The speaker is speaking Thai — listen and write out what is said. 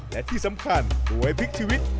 และที่สำคัญมวยพลิกชีวิต